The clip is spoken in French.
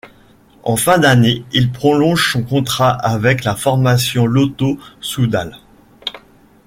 En fin d'année, il prolonge son contrat avec la formation Lotto-Soudal.